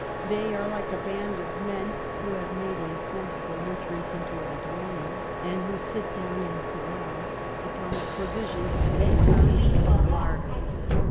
They are like a band of men who have made a forcible entrance into a dwelling, and who sit down and carouse upon the provisions they found in the larder."